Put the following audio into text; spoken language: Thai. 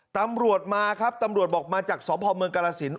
ตำรวจมาครับตำรวจบอกมาจากสพเมืองกรสิน